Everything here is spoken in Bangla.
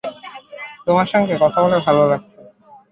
তোমার সঙ্গে কথা বলতে ভালো লাগছে।